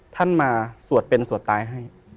ท่านมาสวดเป็นสวดตายให้